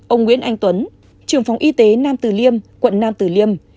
ông nguyễn anh tuấn trường phòng y tế nam từ liêm quận nam tử liêm